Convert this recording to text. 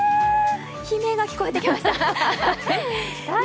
悲鳴が聞こえてきました。